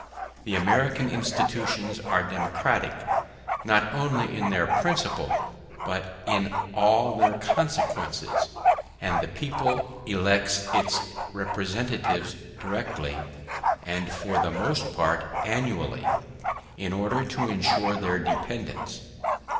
The American institutions are democratic, not only in their principle but in all their consequences; and the people elects its representatives directly, and for the most part annually, in order to ensure their dependence.